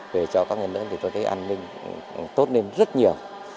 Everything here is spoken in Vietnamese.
về cho các người lớn thì tôi thấy an ninh tốt nên rất nhiều